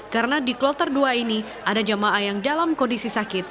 karena di kloter dua ini ada jama'ah yang dalam kondisi sakit